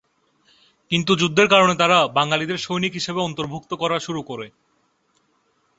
কিন্তু যুদ্ধের কারণে তারা বাঙালিদের সৈনিক হিসেবে অন্তর্ভুক্ত করা শুরু করে।